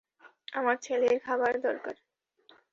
আমার ছেলের খাবার দরকার।